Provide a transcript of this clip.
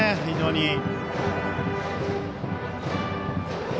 非常に。